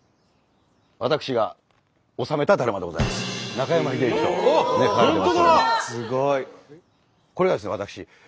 「中山秀征」と書かれてますけど。